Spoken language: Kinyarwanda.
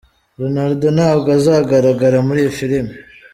Ronaldo ntabwo azagaragara muri iyi film.